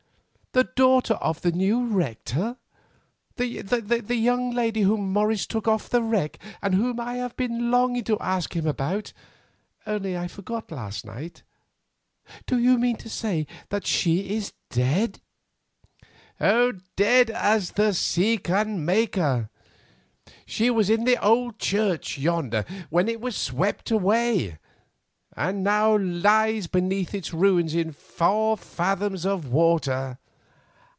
the daughter of the new rector—the young lady whom Morris took off the wreck, and whom I have been longing to ask him about, only I forgot last night? Do you mean to say that she is dead?" "Dead as the sea can make her. She was in the old church yonder when it was swept away, and now lies beneath its ruins in four fathoms of water."